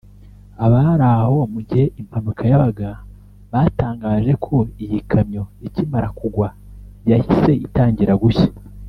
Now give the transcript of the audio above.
Abari aho mu gihe impanuka yabaga batangaje ko iyi kamyo ikimara kugwa yahise itangira gushya